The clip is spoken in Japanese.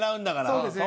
そうですね。